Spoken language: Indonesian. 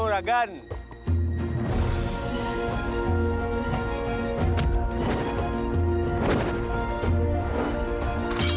urusan yang banyak